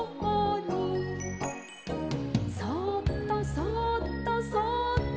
「そっとそっとそっと」